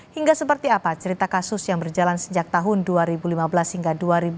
hingga seperti apa cerita kasus yang berjalan sejak tahun dua ribu lima belas hingga dua ribu dua puluh